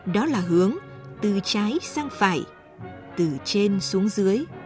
đó là hướng từ trái sang phải từ trên xuống dưới